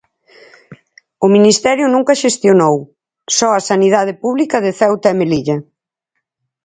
O Ministerio nunca xestionou, só a sanidade pública de Ceuta e Melilla.